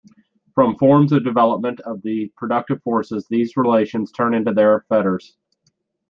From forms of development of the productive forces these relations turn into their fetters.